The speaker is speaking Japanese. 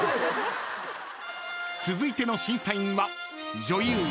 ［続いての審査員は女優］